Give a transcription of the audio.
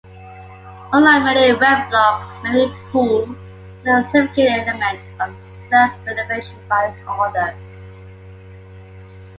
Unlike many weblogs, Memepool had no significant element of self-revelation by its authors.